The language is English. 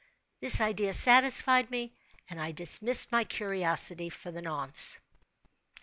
This idea satisfied me, and I dismissed my curiosity for the nonce.